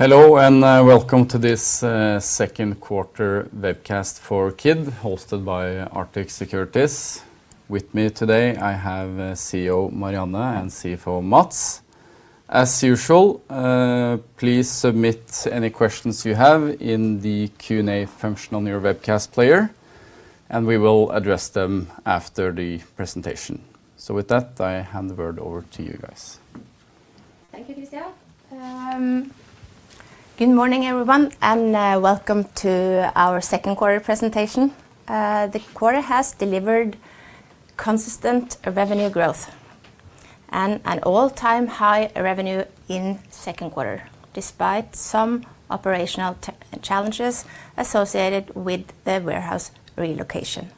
Hello and welcome to this Second Quarter Webcast for Kid, hosted by Arctic Securities. With me today, I have CEO Marianne and CFO Mads. As usual, please submit any questions you have in the Q&A function on your webcast player, and we will address them after the presentation. With that, I hand the word over to you guys. Thank you, Kristian. Good morning, everyone, and welcome to our second quarter presentation. The quarter has delivered consistent revenue growth and an all-time high revenue in the second quarter, despite some operational challenges associated with the warehouse relocation.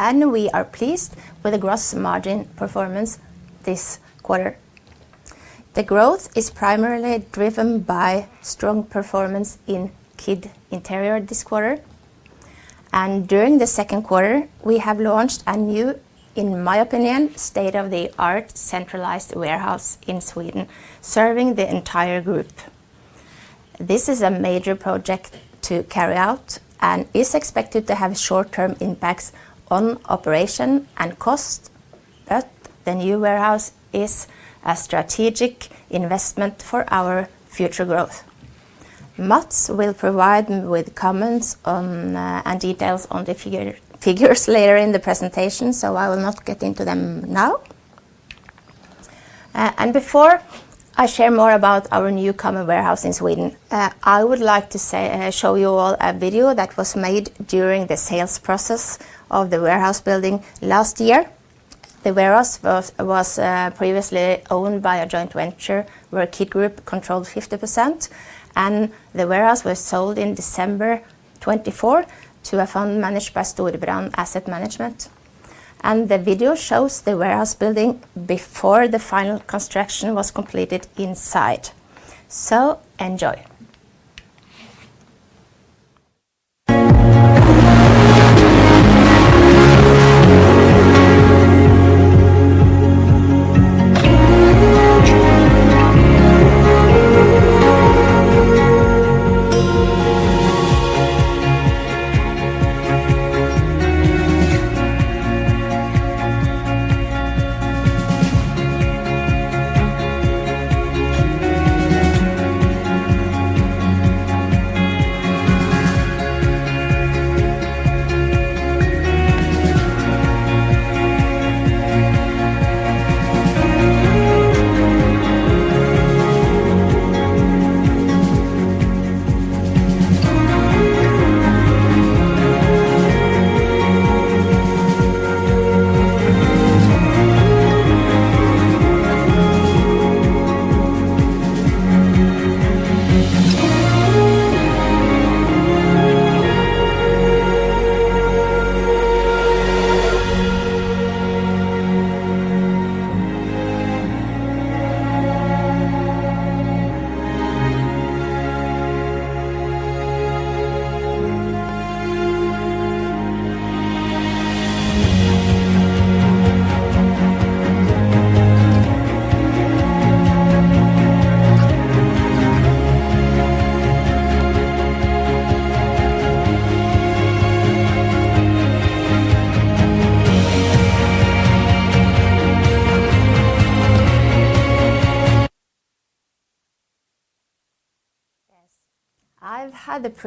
We are pleased with the gross margin performance this quarter. The growth is primarily driven by strong performance in Kid Interior this quarter. During the second quarter, we have launched a new, in my opinion, state-of-the-art centralized warehouse in Sweden, serving the entire group. This is a major project to carry out and is expected to have short-term impacts on operation and cost. The new warehouse is a strategic investment for our future growth. Mads will provide comments and details on the figures later in the presentation, so I will not get into them now. Before I share more about our newcomer warehouse in Sweden, I would like to show you all a video that was made during the sales process of the warehouse building last year. The warehouse was previously owned by a joint venture where Kid Group controlled 50%, and the warehouse was sold in December 2024 to a fund managed by Storebrand Asset Management. The video shows the warehouse building before the final construction was completed inside. Enjoy.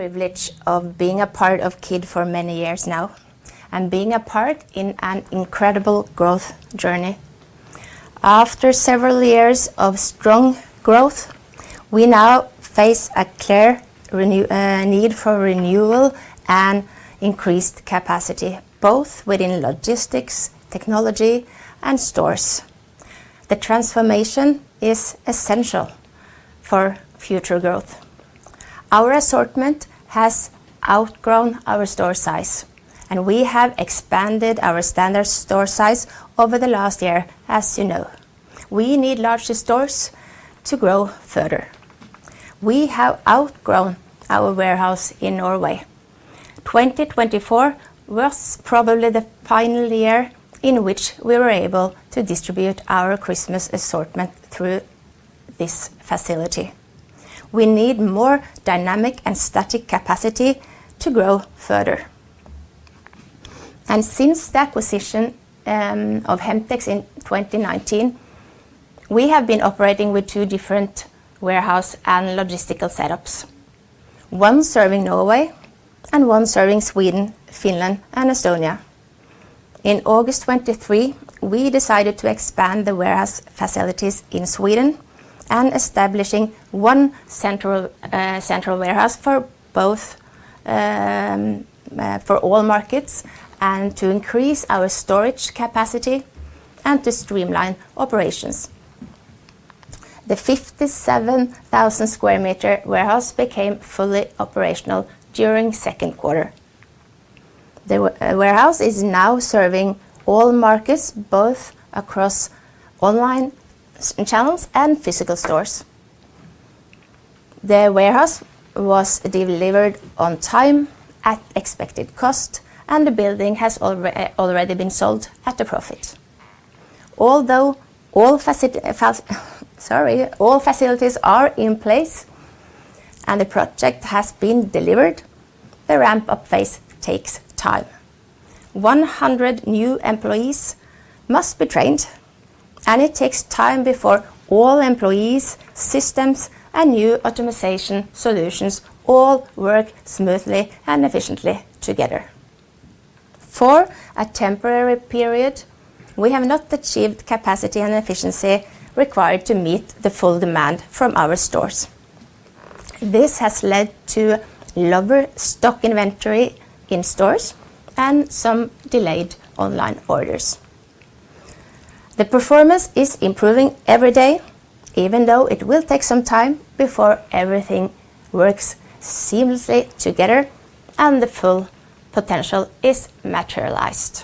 I've had the privilege of being a part of Kid for many years now and being a part in an incredible growth journey. After several years of strong growth, we now face a clear need for renewal and increased capacity, both within logistics, technology, and stores. The transformation is essential for future growth. Our assortment has outgrown our store size, and we have expanded our standard store size over the last year, as you know. We need larger stores to grow further. We have outgrown our warehouse in Norway. 2024 was probably the final year in which we were able to distribute our Christmas assortment through this facility. We need more dynamic and static capacity to grow further. Since the acquisition of Hemtex in 2019, we have been operating with two different warehouse and logistical setups, one serving Norway and one serving Sweden, Finland, and Estonia. In August 2023, we decided to expand the warehouse facilities in Sweden and establish one central warehouse for all markets and to increase our storage capacity and to streamline operations. The 57,000 square meter warehouse became fully operational during the second quarter. The warehouse is now serving all markets, both across online channels and physical stores. The warehouse was delivered on time, at expected cost, and the building has already been sold at a profit. Although all facilities are in place and the project has been delivered, the ramp-up phase takes time. 100 new employees must be trained, and it takes time before all employees, systems, and new optimization solutions all work smoothly and efficiently together. For a temporary period, we have not achieved capacity and efficiency required to meet the full demand from our stores. This has led to lower stock inventory in stores and some delayed online orders. The performance is improving every day, even though it will take some time before everything works seamlessly together and the full potential is materialized.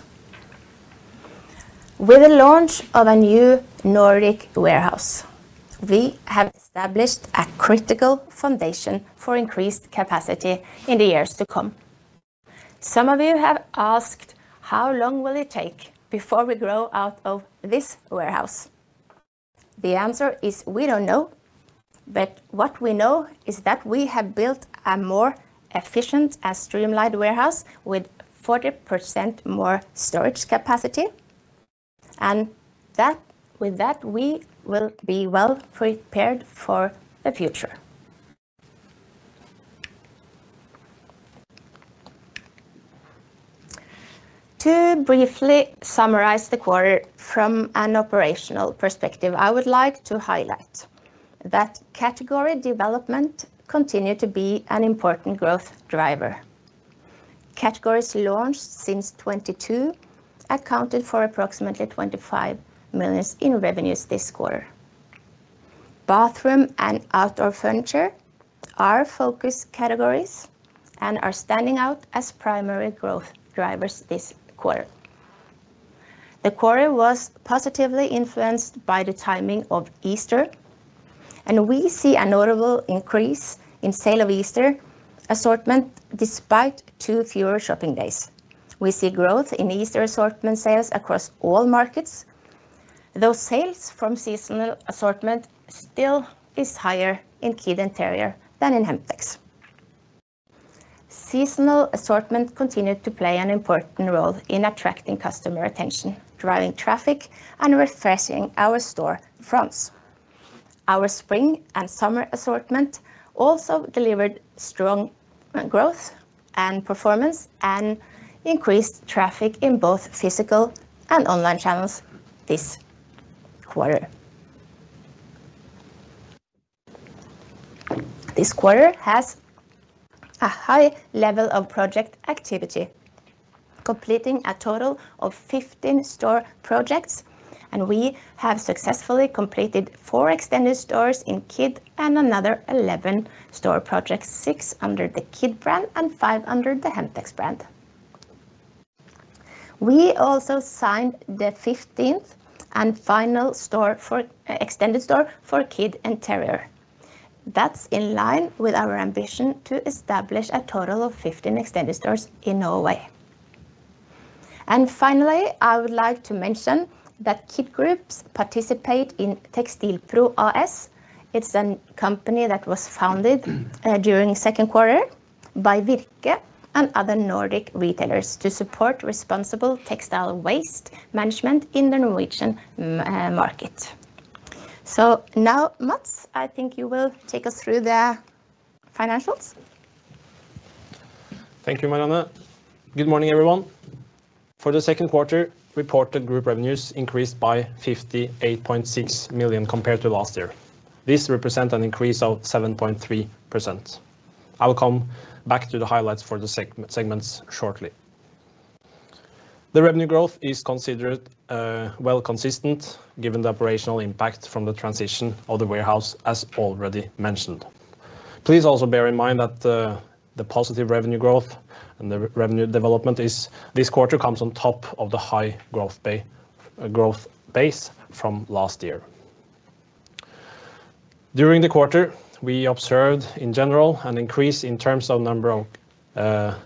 With the launch of a new Nordic warehouse, we have established a critical foundation for increased capacity in the years to come. Some of you have asked, how long will it take before we grow out of this warehouse? The answer is we don't know, but what we know is that we have built a more efficient and streamlined warehouse with 40% more storage capacity. With that, we will be well prepared for the future. To briefly summarize the quarter from an operational perspective, I would like to highlight that category development continues to be an important growth driver. Categories launched since 2022 accounted for approximately $25 million in revenues this quarter. Bathroom and outdoor furniture are focus categories and are standing out as primary growth drivers this quarter. The quarter was positively influenced by the timing of Easter, and we see a notable increase in sale of Easter assortment despite two fewer shopping days. We see growth in Easter assortment sales across all markets, though sales from seasonal assortment still are higher in Kid Interior than in Hemtex. Seasonal assortment continued to play an important role in attracting customer attention, driving traffic, and refreshing our store fronts. Our spring and summer assortment also delivered strong growth and performance and increased traffic in both physical and online channels this quarter. This quarter has a high level of project activity, completing a total of 15 store projects, and we have successfully completed four extended stores in Kid and another 11 store projects, six under the Kid brand and five under the Hemtex brand. We also signed the 15th and final store for extended store for Kid Interior. That's in line with our ambition to establish a total of 15 extended stores in Norway. Finally, I would like to mention that Kid Group participates in [Textilpro RS]. It's a company that was founded during the second quarter by Virke and other Nordic retailers to support responsible textile waste management in the Norwegian market. Now, Mads, I think you will take us through the financials. Thank you, Marianne. Good morning, everyone. For the second quarter, reported group revenues increased by 58.6 million compared to last year. This represents an increase of 7.3%. I'll come back to the highlights for the segments shortly. The revenue growth is considered well consistent given the operational impact from the transition of the warehouse, as Paul already mentioned. Please also bear in mind that the positive revenue growth and the revenue development this quarter come on top of the high growth base from last year. During the quarter, we observed in general an increase in terms of the number of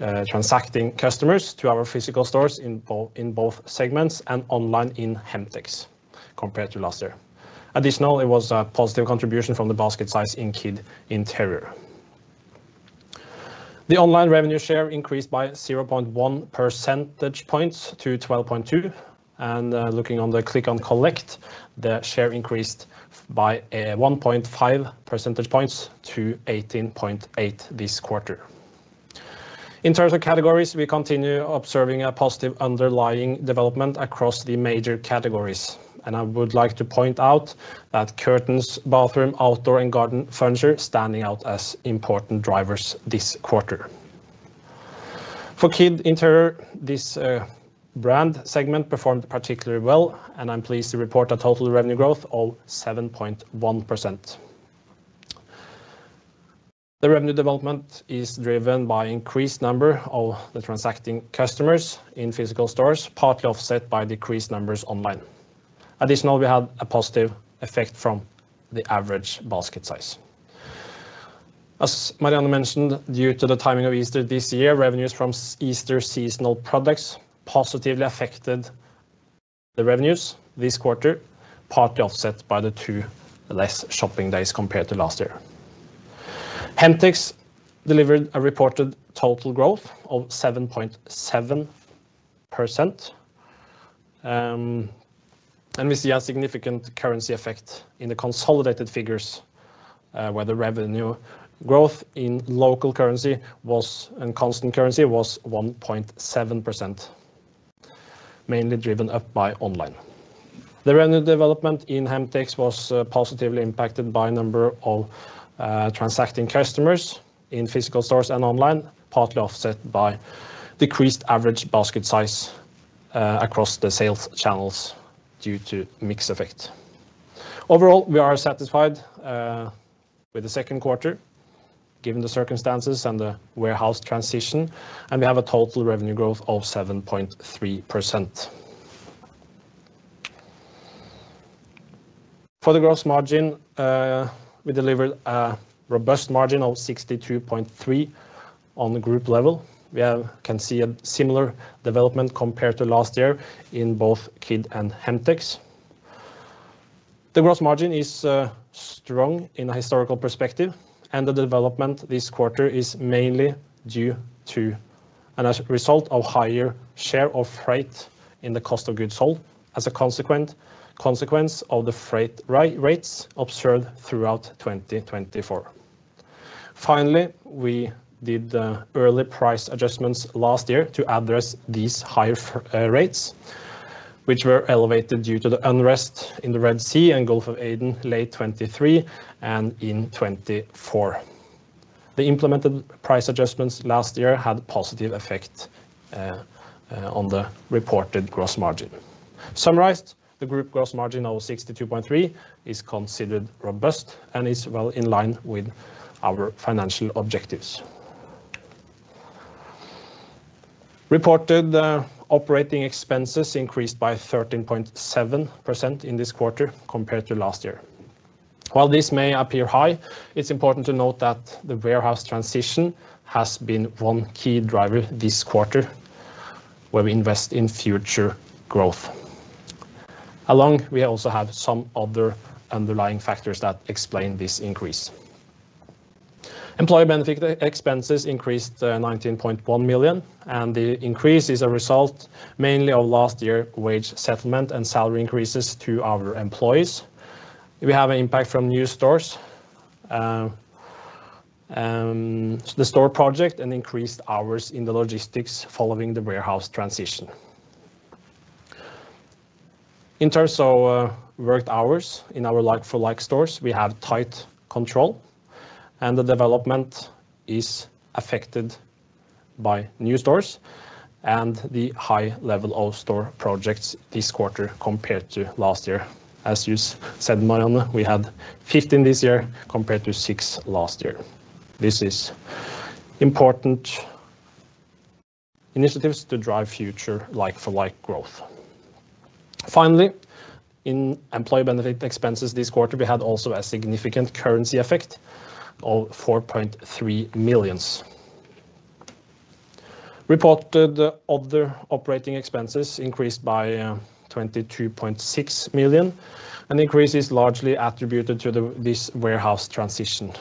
transacting customers to our physical stores in both segments and online in Hemtex compared to last year. Additionally, it was a positive contribution from the basket size in Kid Interior. The online revenue share increased by 0.1 percentage points to 12.2%, and looking on the click-on-collect, the share increased by 1.5 percentage points to 18.8% this quarter. In terms of categories, we continue observing a positive underlying development across the major categories, and I would like to point out that curtains, bathroom, outdoor, and garden furniture stand out as important drivers this quarter. For Kid Interior, this brand segment performed particularly well, and I'm pleased to report a total revenue growth of 7.1%. The revenue development is driven by an increased number of the transacting customers in physical stores, partly offset by decreased numbers online. Additionally, we had a positive effect from the average basket size. As Marianne mentioned, due to the timing of Easter this year, revenues from Easter seasonal products positively affected the revenues this quarter, partly offset by the two less shopping days compared to last year. Hemtex delivered a reported total growth of 7.7%, and we see a significant currency effect in the consolidated figures where the revenue growth in local currency was a constant currency of 1.7%, mainly driven up by online. The revenue development in Hemtex was positively impacted by the number of transacting customers in physical stores and online, partly offset by decreased average basket size across the sales channels due to the mix effect. Overall, we are satisfied with the second quarter given the circumstances and the warehouse transition, and we have a total revenue growth of 7.3%. For the gross margin, we delivered a robust margin of 62.3% on the group level. We can see a similar development compared to last year in both Kid and Hemtex. The gross margin is strong in a historical perspective, and the development this quarter is mainly due to a result of a higher share of freight in the cost of goods sold as a consequence of the freight rates observed throughout 2024. Finally, we did early price adjustments last year to address these higher rates, which were elevated due to the unrest in the Red Sea and Gulf of Aden late 2023 and in 2024. The implemented price adjustments last year had a positive effect on the reported gross margin. Summarized, the group gross margin of 62.3% is considered robust and is well in line with our financial objectives. Reported operating expenses increased by 13.7% in this quarter compared to last year. While this may appear high, it's important to note that the warehouse transition has been one key driver this quarter where we invest in future growth. Along with that, we also have some other underlying factors that explain this increase. Employee benefit expenses increased $19.1 million, and the increase is a result mainly of last year's wage settlement and salary increases to our employees. We have an impact from new stores to the store project and increased hours in the logistics following the warehouse transition. In terms of worked hours in our like-for-like stores, we have tight control, and the development is affected by new stores and the high level of store projects this quarter compared to last year. As you said, Marianne, we had 15 this year compared to six last year. This is important initiatives to drive future like-for-like growth. Finally, in employee benefit expenses this quarter, we had also a significant currency effect of $4.3 million. Reported other operating expenses increased by $22.6 million. An increase is largely attributed to this warehouse transition,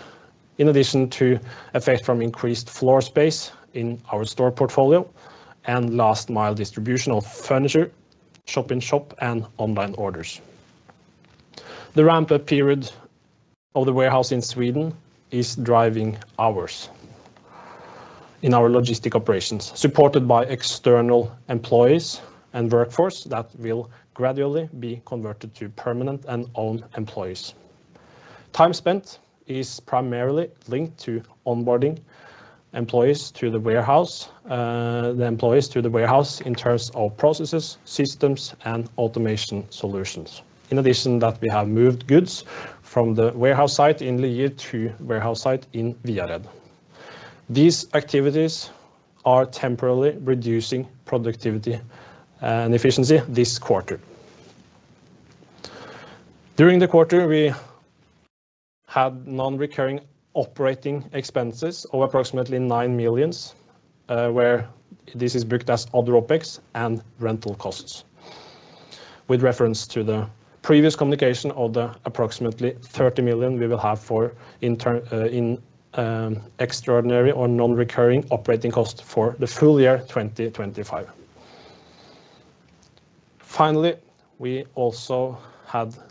in addition to effects from increased floor space in our store portfolio and last-mile distribution of furniture, shop-in-shop, and online orders. The ramp-up period of the warehouse in Sweden is driving hours in our logistic operations, supported by external employees and workforce that will gradually be converted to permanent and own employees. Time spent is primarily linked to onboarding employees to the warehouse, the employees to the warehouse in terms of processes, systems, and automation solutions. In addition to that, we have moved goods from the warehouse site in Lier to the warehouse site in Viared. These activities are temporarily reducing productivity and efficiency this quarter. During the quarter, we had non-recurring operating expenses of approximately 9 million, where this is booked as other OpEx and rental costs. With reference to the previous communication of the approximately 30 million, we will have for extraordinary or non-recurring operating costs for the full year 2025. Finally, we also had a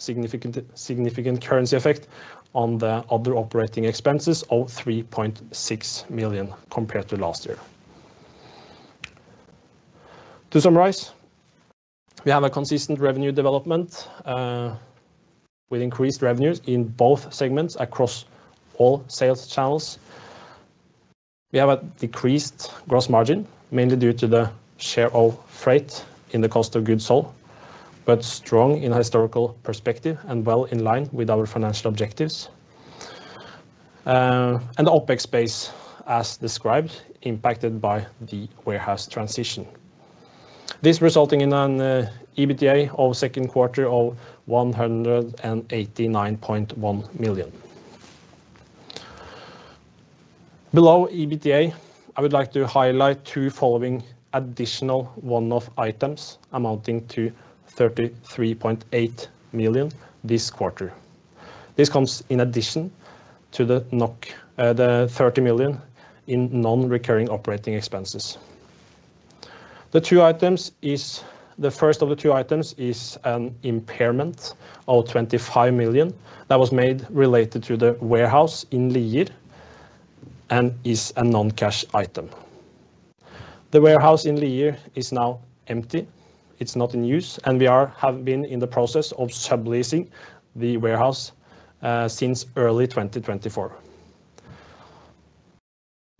significant currency effect on the other operating expenses of 3.6 million compared to last year. To summarize, we have a consistent revenue development with increased revenues in both segments across all sales channels. We have a decreased gross margin, mainly due to the share of freight in the cost of goods sold, but strong in a historical perspective and well in line with our financial objectives. The OpEx space, as described, is impacted by the warehouse transition. This is resulting in an EBITDA of the second quarter of 189.1 million. Below EBITDA, I would like to highlight two following additional one-off items amounting to 33.8 million this quarter. This comes in addition to the 30 million in non-recurring operating expenses. The first of the two items is an impairment of 25 million that was made related to the warehouse in Lier and is a non-cash item. The warehouse in Lier is now empty. It's not in use, and we have been in the process of subleasing the warehouse since early 2024.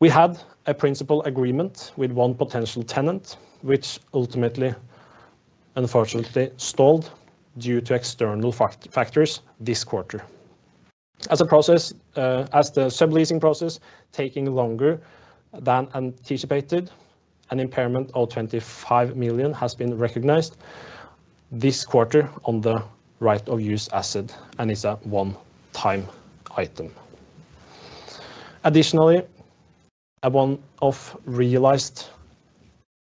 We had a principal agreement with one potential tenant, which ultimately, unfortunately, stalled due to external factors this quarter. As the subleasing process is taking longer than anticipated, an impairment of 25 million has been recognized this quarter on the right of use asset and is a one-time item. Additionally, a one-off realized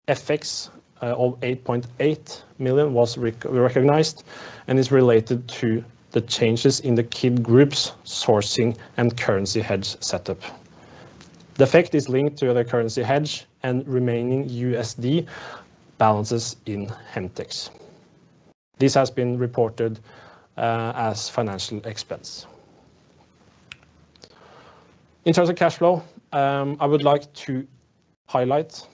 effect of 8.8 million was recognized and is related to the changes in the Kid Group's sourcing and currency hedge setup. The effect is linked to the currency hedge and remaining USD balances in Hemtex. This has been reported as a financial expense. In terms of cash flow, I would like to highlight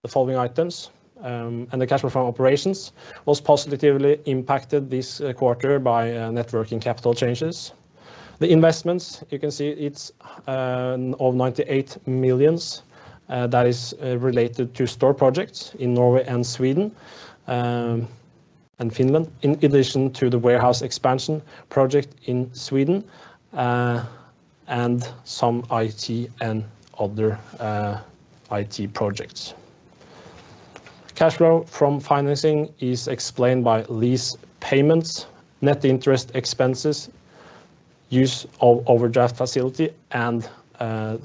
the following items. The cash flow from operations was positively impacted this quarter by net working capital changes. The investments, you can see it's of 98 million that is related to store projects in Norway, Sweden, and Finland, in addition to the warehouse expansion project in Sweden and some IT and other IT projects. Cash flow from financing is explained by lease payments, net interest expenses, use of overdraft facility, and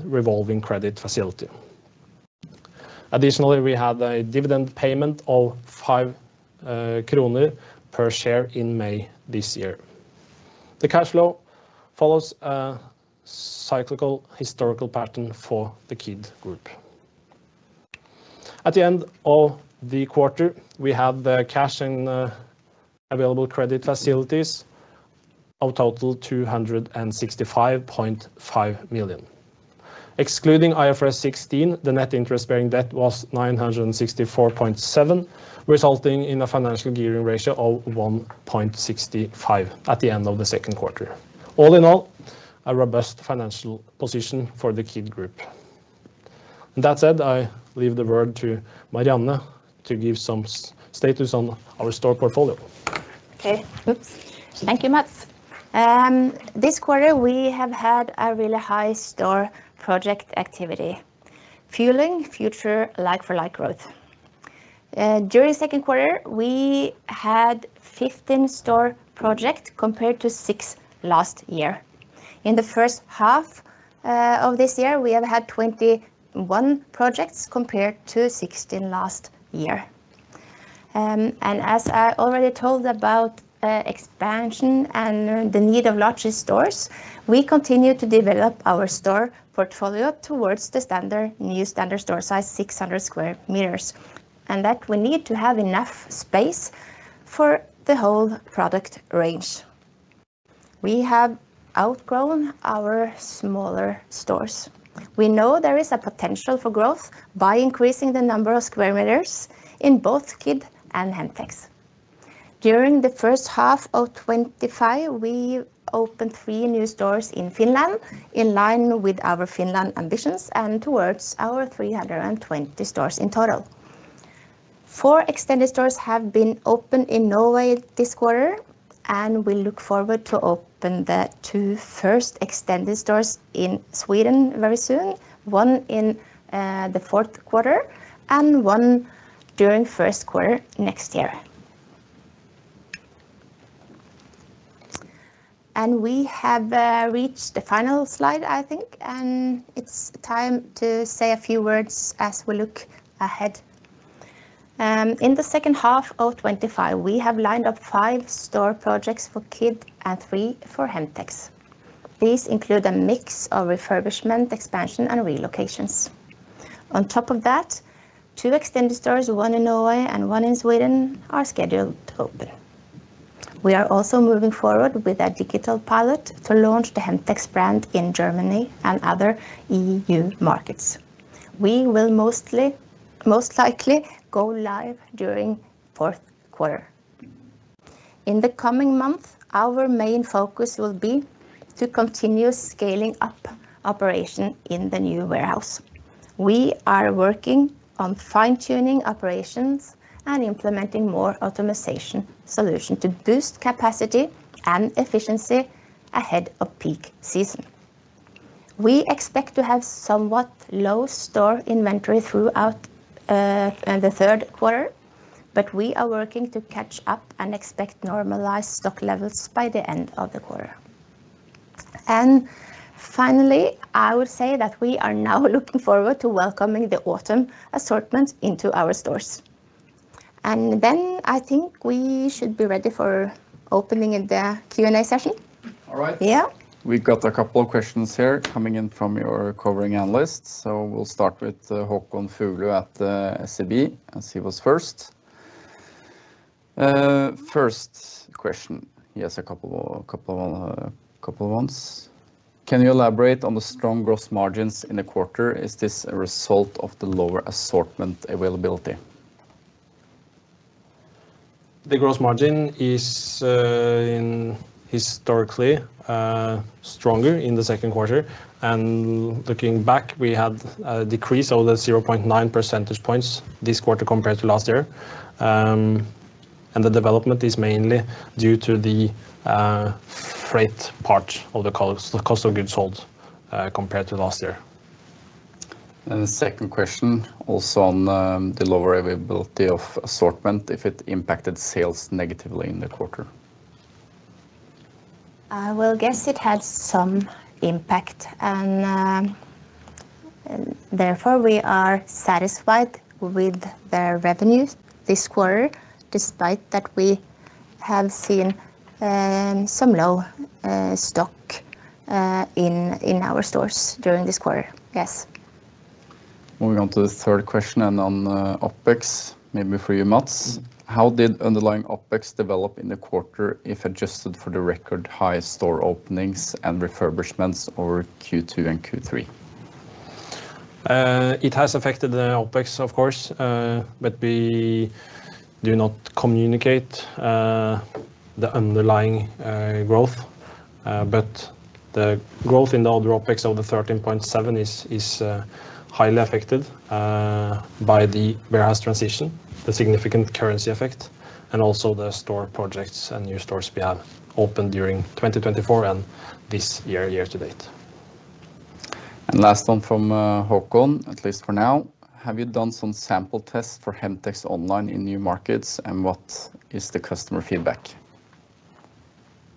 revolving credit facility. Additionally, we had a dividend payment of 5 kroner per share in May this year. The cash flow follows a cyclical historical pattern for the Kid Group. At the end of the quarter, we had the cash and available credit facilities of a total of 265.5 million. Excluding IFRS 16, the net interest-bearing debt was 964.7 million, resulting in a financial gearing ratio of 1.65 at the end of the second quarter. All in all, a robust financial position for the Kid Group. That said, I leave the word to Marianne to give some status on our store portfolio. Thank you, Mads. This quarter, we have had a really high store project activity, fueling future like-for-like growth. During the second quarter, we had 15 store projects compared to six last year. In the first half of this year, we have had 21 projects compared to 16 last year. As I already told about expansion and the need of larger stores, we continue to develop our store portfolio towards the new standard store size, 600 square meters, and that we need to have enough space for the whole product range. We have outgrown our smaller stores. We know there is a potential for growth by increasing the number of square meters in both Kid and Hemtex. During the first half of 2025, we opened three new stores in Finland, in line with our Finland ambitions, and towards our 320 stores in total. Four extended stores have been opened in Norway this quarter. We look forward to opening the two first extended stores in Sweden very soon, one in the fourth quarter and one during the first quarter next year. We have reached the final slide, I think, and it's time to say a few words as we look ahead. In the second half of 2025, we have lined up five store projects for Kid and three for Hemtex. These include a mix of refurbishment, expansion, and relocations. On top of that, two extended stores, one in Norway and one in Sweden, are scheduled to open. We are also moving forward with a digital pilot to launch the Hemtex brand in Germany and other EU markets. We will most likely go live during the fourth quarter. In the coming months, our main focus will be to continue scaling up operations in the new warehouse. We are working on fine-tuning operations and implementing more optimization solutions to boost capacity and efficiency ahead of peak season. We expect to have somewhat low store inventory throughout the third quarter, but we are working to catch up and expect normalized stock levels by the end of the quarter. Finally, I would say that we are now looking forward to welcoming the autumn assortment into our stores. I think we should be ready for opening the Q&A session. All right. Yeah. We've got a couple of questions here coming in from your covering analysts. We'll start with Håkon Fuglu at SEB and see who's first. First question, yes, a couple of ones. Can you elaborate on the strong gross margins in the quarter? Is this a result of the lower assortment availability? The gross margin is historically stronger in the second quarter. Looking back, we had a decrease of 0.9 percentage points this quarter compared to last year. The development is mainly due to the freight part of the cost of goods sold compared to last year. The second question, also on the lower availability of assortment, is if it impacted sales negatively in the quarter. I guess it had some impact. Therefore, we are satisfied with the revenues this quarter, despite that we have seen some low stock in our stores during this quarter. Yes. Moving on to the third question and on OpEx, maybe for you, Mads. How did underlying OpEx develop in the quarter if adjusted for the record high store openings and refurbishments over Q2 and Q3? It has affected the OpEx, of course, but we do not communicate the underlying growth. The growth in the other operating expenses of 13.7% is highly affected by the warehouse transition, the significant currency effect, and also the store projects and new stores we have opened during 2024 and this year, year to date. The last one from Håkon, at least for now. Have you done some sample tests for Hemtex online in new markets, and what is the customer feedback?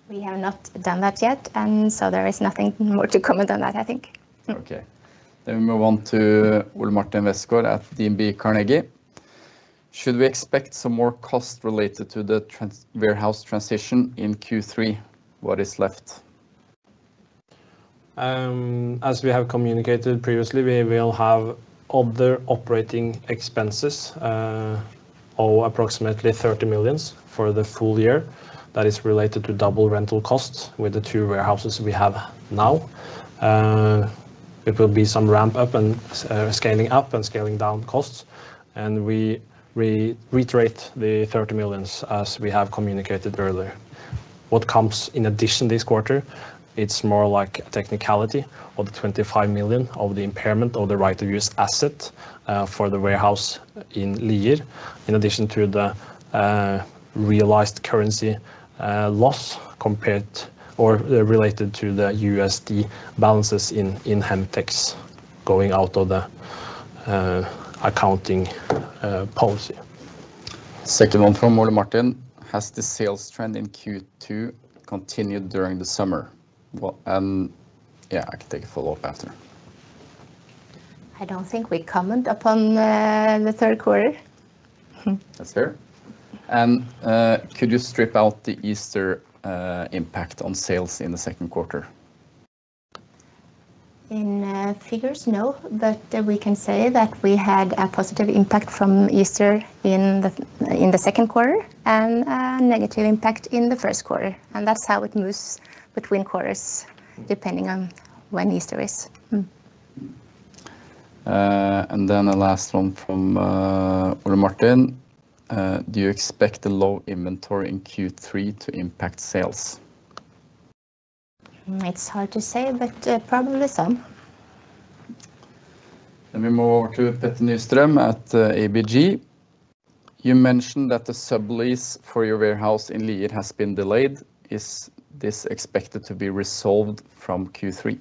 We have not done that yet, so there is nothing more to comment on that, I think. Okay. We move on to Ole Martin Westgaard at DNB Carnegie. Should we expect some more cost related to the warehouse transition in Q3? What is left? As we have communicated previously, we will have other operating expenses of approximately 30 million for the full year that is related to double rental costs with the two warehouses we have now. It will be some ramp-up and scaling up and scaling down costs, and we reiterate the 30 million as we have communicated earlier. What comes in addition this quarter? It's more like a technicality of the 25 million of the impairment of the right-of-use asset for the warehouse in Lier, in addition to the realized currency loss compared or related to the USD balances in Hemtex, going out of the accounting policy. Second one from Ole Martin. Has the sales trend in Q2 continued during the summer? Yeah, I can take a follow-up after. I don't think we comment upon the third quarter. That's fair. Could you strip out the Easter impact on sales in the second quarter? In figures, no, but we can say that we had a positive impact from Easter in the second quarter and a negative impact in the first quarter. That's how it moves between quarters, depending on when Easter is. The last one from Ole Martin. Do you expect the low inventory in Q3 to impact sales? It's hard to say, probably some. We move over to Petter Nystrøm at ABG. You mentioned that the sublease for your warehouse in Lier has been delayed. Is this expected to be resolved from Q3?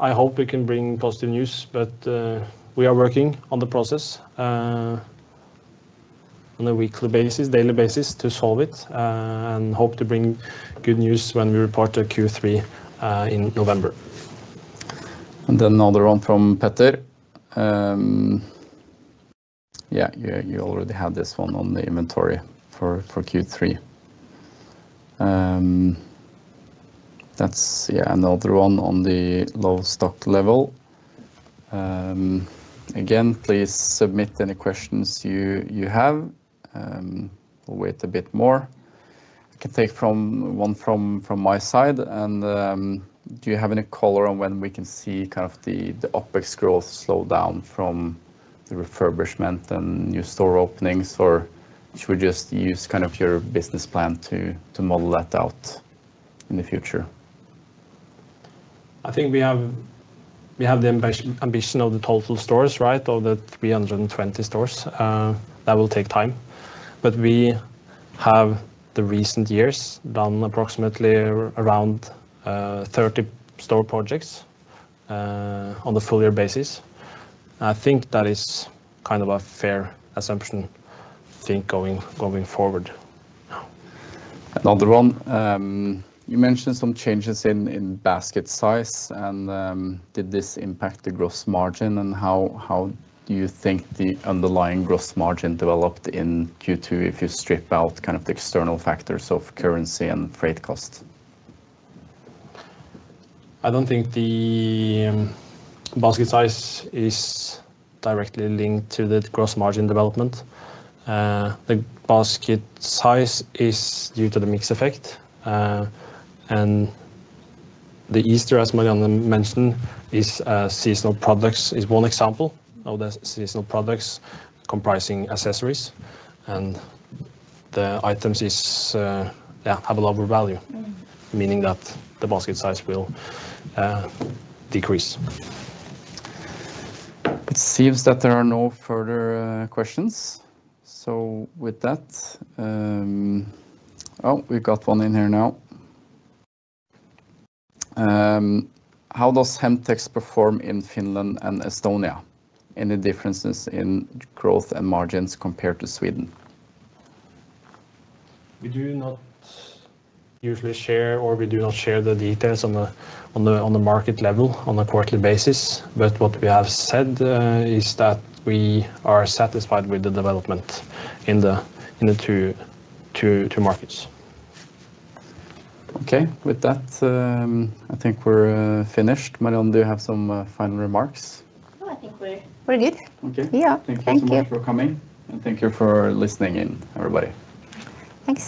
I hope we can bring positive news. We are working on the process on a weekly basis, daily basis to solve it, and hope to bring good news when we report Q3 in November. Another one from Petter. You already had this one on the inventory for Q3. That's another one on the low stock level. Please submit any questions you have. We'll wait a bit more. I can take one from my side. Do you have any color on when we can see kind of the OpEx growth slow down from the refurbishment and new store openings, or should we just use kind of your business plan to model that out in the future? I think we have the ambition of the total stores, right, of the 320 stores. That will take time. We have, in the recent years, done approximately around 30 store projects on a full-year basis. I think that is kind of a fair assumption, I think, going forward. You mentioned some changes in basket size, did this impact the gross margin? How do you think the underlying gross margin developed in Q2 if you strip out the external factors of currency and freight cost? I don't think the basket size is directly linked to the gross margin development. The basket size is due to the mix effect. The Easter, as Marianne mentioned, is a seasonal product. It's one example of the seasonal products comprising accessories, and the items have a lower value, meaning that the basket size will decrease. It seems that there are no further questions. With that, oh, we've got one in here now. How does Hemtex perform in Finland and Estonia? Any differences in growth and margins compared to Sweden? We do not usually share, or we do not share the details on the market level on a quarterly basis. What we have said is that we are satisfied with the development in the two markets. Okay, with that, I think we're finished. Marianne, do you have some final remarks? We're good. Okay. Yeah. Thank you so much for coming, and thank you for listening in, everybody. Thanks.